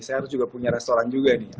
saya harus juga punya restoran juga nih